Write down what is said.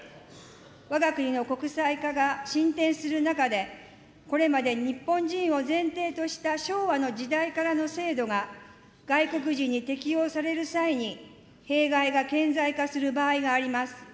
わが国の国際化が進展する中で、これまで日本人を前提とした昭和の時代からの制度が、外国人に適用される際に、弊害が顕在化する場合があります。